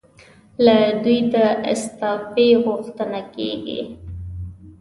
له دوی د استعفی غوښتنه کېږي.